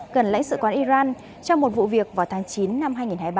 gần lãnh sự quán iran trong một vụ việc vào tháng chín năm hai nghìn hai mươi ba